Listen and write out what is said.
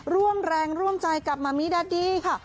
ร่วมแรงร่วมใจกับมามิดัดดี้ค่ะ